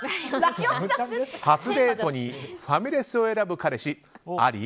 初デートにファミレスを選ぶ彼氏あり？